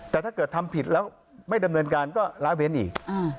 แต่ถ้าเกิดทำผิดแล้วไม่ดำเนินการก็ล้าเว้นอีก